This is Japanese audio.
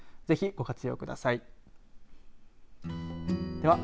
ぜひご活用ください。